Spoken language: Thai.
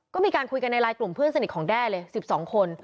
ก็มีการคุยกันในไลน์กลุ่มเพื่อนสนิทของแด้เลย๑๒คน